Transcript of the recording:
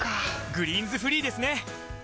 「グリーンズフリー」ですね！